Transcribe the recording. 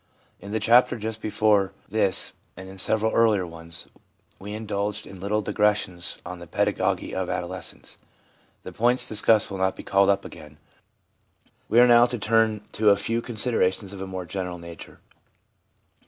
In the chapter just before this, and in several earlier ones, we indulged in little digressions on the pedagogy of adolescence. The points discussed will not be called up again. We are now to turn to a few considerations of a more general nature.